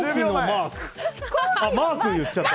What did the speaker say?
あ、マーク言っちゃった。